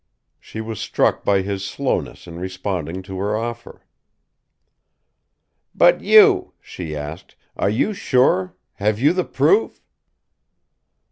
She was struck by his slowness in responding to her offer. "But you," she asked; "are you sure have you the proof?"